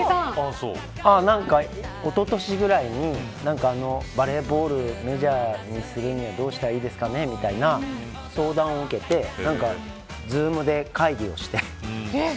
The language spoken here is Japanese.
おととしぐらいにバレーボールメジャーにするにはどうしたらいいですかねみたいな相談を受けてＺｏｏｍで会議をして。